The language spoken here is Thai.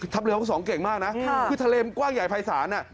ทัพเรือเขาสองเก่งมากนะคือทะเลกว่างใหญ่ภายศาสตร์